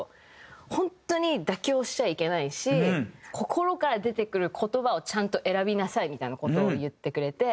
本当に妥協しちゃいけないし心から出てくる言葉をちゃんと選びなさい」みたいな事を言ってくれて。